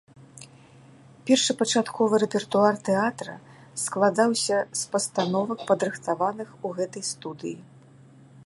Першапачаткова рэпертуар тэатра складаўся з пастановак, падрыхтаваных у гэтай студыі.